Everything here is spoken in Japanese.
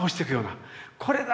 「これだ！